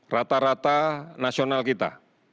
rata rata nasional kita